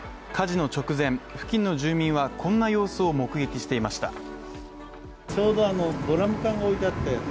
火事の直前、付近の住民はこんな様子を目撃していました。